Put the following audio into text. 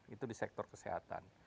itu di sektor kesehatan